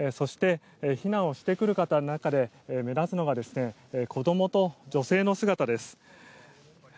避難をしてくる方の中で目立つのが子供と女性の姿です。